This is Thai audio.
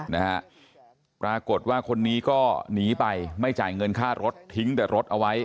นะฮะปรากฏว่าคนนี้ก็หนีไปไม่จ่ายเงินค่ารถทิ้งแต่รถเอาไว้